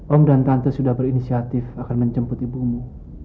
om dan tante sudah berinisiatif akan menjemput ibumu